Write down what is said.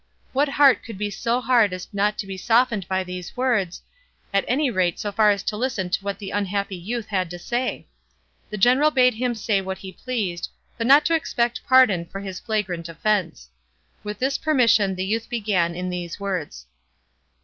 What heart could be so hard as not to be softened by these words, at any rate so far as to listen to what the unhappy youth had to say? The general bade him say what he pleased, but not to expect pardon for his flagrant offence. With this permission the youth began in these words.